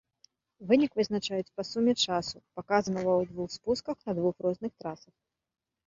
Вынік вызначаюць па суме часу, паказанага ў двух спусках на двух розных трасах.